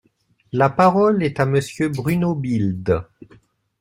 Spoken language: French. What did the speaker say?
La parole est à Monsieur Bruno Bilde.